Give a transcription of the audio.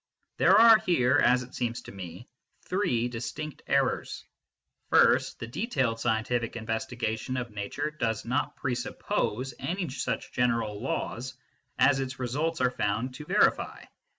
There are here, as it seems to me, three distinct errors. First, the detailed scientific investigation of nature does not presuppose any such general laws as its results are found to verify.